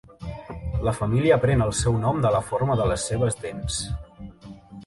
La família pren el seu nom de la forma de les seves dents.